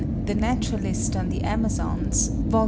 'The Naturalist on the Amazons,' vol.